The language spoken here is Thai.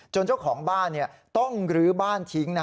เจ้าของบ้านต้องลื้อบ้านทิ้ง